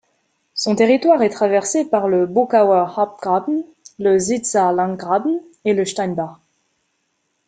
Son territoire est traversé par le Buckauer Hauptgraben, le Zitzer Landgraben et le Steinbach.